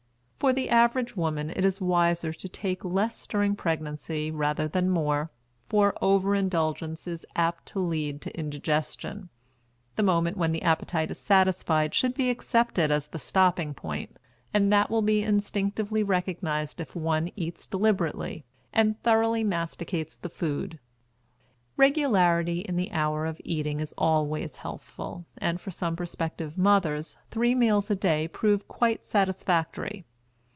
For the average woman it is wiser to take less during pregnancy rather than more, for over indulgence is apt to lead to indigestion. The moment when the appetite is satisfied should be accepted as the stopping point, and that will be instinctively recognized if one eats deliberately, and thoroughly masticates the food. Regularity in the hour of eating is always healthful, and for some prospective mothers three meals a day prove quite satisfactory.